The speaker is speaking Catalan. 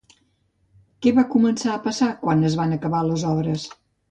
Què va començar a passar quan es van acabar les obres?